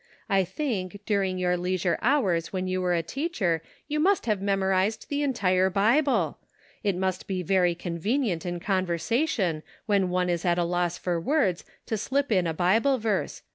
I think, during your leisure hours when you were a teacher, you must have memorized the entire Bible. It must be very convenient in conversation, when one is at a loss for words, to slip in a Bible verse.